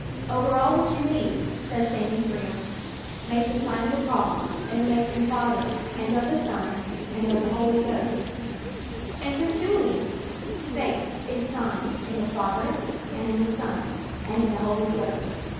"Over all that you meet," says St. Ephrem, "make the Sign of the Cross, in the name of the Father, and of the Son, and of the Holy Ghost/ f And Tertullian: "Faith is signed in the Father, and in the Son, and in the Holy Ghost."